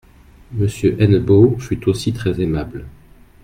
Monsieur Hennebeau fut aussi très aimable.